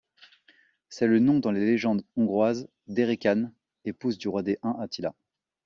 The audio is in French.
C'est le nom dans les légendes hongroises d'Êrekan, épouse du roi des Huns Attila.